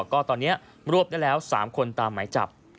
ก็ตอนนี้รวบได้แล้ว๓คนตามหมายจับ